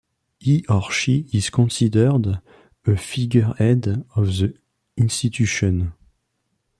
He or she is considered a figurehead of the institution.